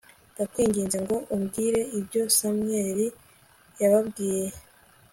ndakwinginze ngo umbwire ibyo samweli yababwiye